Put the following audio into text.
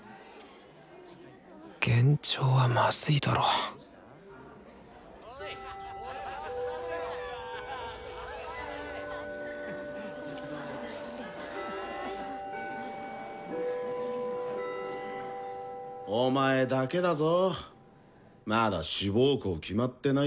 幻聴はまずいだろお前だけだぞまだ志望校決まってない奴。